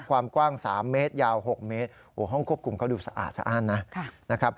ความกว้าง๓เมตรยาว๖เมตรห้องควบคุมก็ดูสะอาดสะอาดนะ